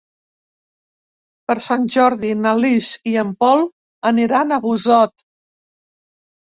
Per Sant Jordi na Lis i en Pol aniran a Busot.